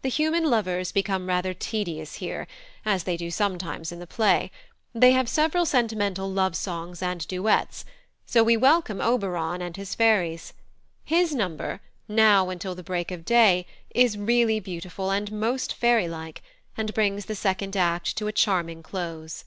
The human lovers become rather tedious here, as they do sometimes in the play; they have several sentimental love songs and duets, so we welcome Oberon and his fairies. His number, "Now until the break of day," is really beautiful and most fairylike, and brings the second act to a charming close.